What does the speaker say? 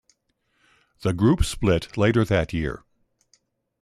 The group split later that year.